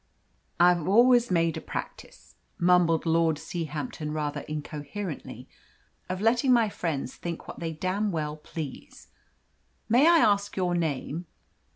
"I've always made a practice," mumbled Lord Seahampton, rather incoherently, "of letting my friends think what they damned well please. May I ask your name?"